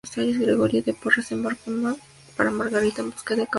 Gregorio de Porras se embarcó para Margarita en busca de caballos y ganado.